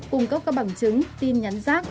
cung cấp các bằng chứng tin nhắn rác